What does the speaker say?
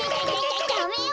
ダメよ！